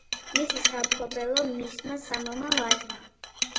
მისი სამფლობელო მისმა სამმა ვაჟმა.